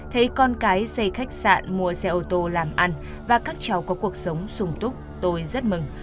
thấy con cái xây khách sạn mua xe ô tô làm ăn và các cháu có cuộc sống sùng túc tôi rất mừng